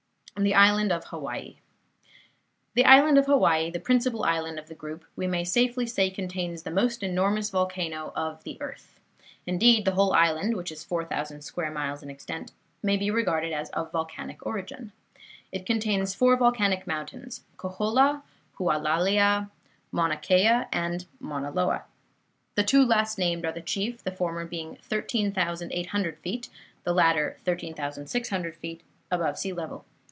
THE ISLAND OF HAWAII The Island of Hawaii, the principal island of the group, we may safely say contains the most enormous volcano of the earth. Indeed, the whole island, which is 4000 square miles in extent, may be regarded as of volcanic origin. It contains four volcanic mountains Kohola, Hualalia, Mauna Kea and Mauna Loa. The two last named are the chief, the former being 13,800 feet, the latter 13,600 feet, above the sea level.